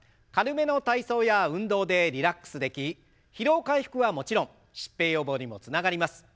軽めの体操や運動でリラックスでき疲労回復はもちろん疾病予防にもつながります。